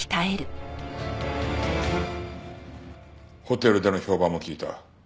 ホテルでの評判も聞いた。